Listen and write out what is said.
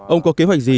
ông có kế hoạch gì